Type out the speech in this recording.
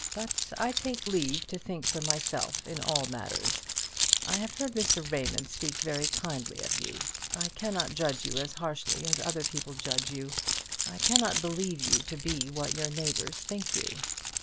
But I take leave to think for myself in all matters. I have heard Mr. Raymond speak very kindly of you; I cannot judge you as harshly as other people judge you; I cannot believe you to be what your neighbours think you."